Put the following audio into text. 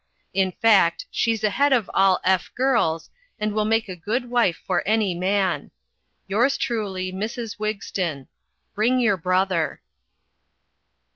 In fact she's ahead of all F girls and will make a good wife for any man. "Yours truly "Mrs. Wigston. "Bring your brother."